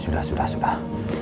sudah sudah sudah